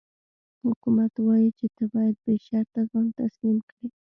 حکومت وايي چې ته باید بې شرطه ځان تسلیم کړې.